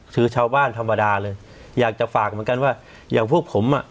คือชาวบ้านธรรมดาเลยอยากจะฝากเหมือนกันว่าอย่างพวกผมอ่ะ